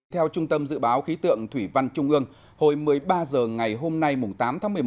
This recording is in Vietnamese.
theo trung tâm dự báo khí tượng thủy văn trung ương hồi một mươi ba h ngày hôm nay tám tháng một mươi một